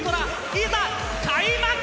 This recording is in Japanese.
いざ開幕！